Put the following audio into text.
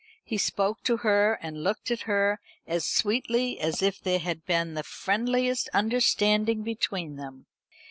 He spoke to her and looked at her as sweetly as if there had been the friendliest understanding between them.